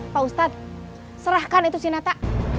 pak ustadz serahkan itu si natta